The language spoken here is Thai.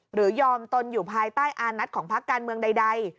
หรือยอมตนอยู่ภายใต้อานัทของพักการเมืองใด